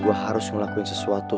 gue harus ngelakuin sesuatu